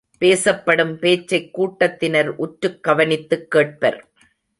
பேசப்படும் பேச்சைக் கூட்டத்தினர் உற்றுக் கவனித்து கேட்பர்.